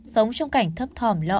sống trong cảnh thấp thỏm lo âu